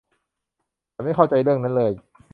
ฉันไม่เข้าใจเรื่องนั้นเลย